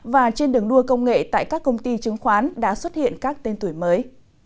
và trên đường đua công nghệ tại các công ty chứng khoán đã xuất hiện các tên tuổi mới